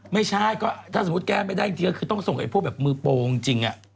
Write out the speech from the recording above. ไม่ใช่ก็ถ้าสมมุติแก้ไม่ได้จริงก็คือต้องส่งไอ้พวกแบบมือโปรจริง